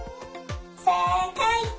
せいかい！